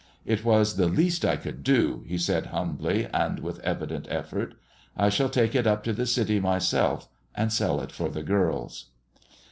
"It was the least I could do," he said humbly, and with evident effort. "I shall take it up to the city myself and sell it for the girls."